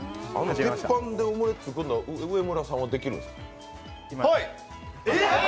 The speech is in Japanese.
鉄板でオムレツは上村さん作れるんですか？